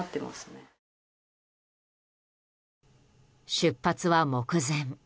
出発は目前。